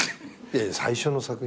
最初の作品。